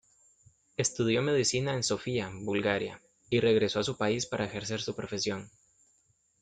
Estudió medicina en Sofía, Bulgaria, y regresó a su país para ejercer su profesión.